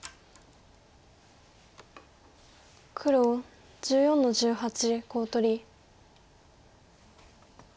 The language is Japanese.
黒１４の十八コウ取り。